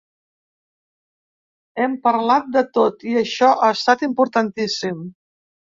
Hem parlat de tot, i això ha estat importantíssim.